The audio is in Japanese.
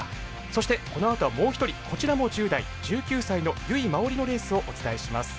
そしてこのあとは、もう１人こちらも１０代、１９歳の由井真緒里のレースをお伝えします。